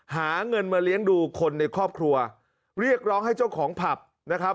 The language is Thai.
หาเงินมาเลี้ยงดูคนในครอบครัวเรียกร้องให้เจ้าของผับนะครับ